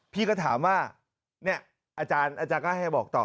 พี่ก็ถามว่าเนี่ยอาจารย์ก็ให้บอกต่อ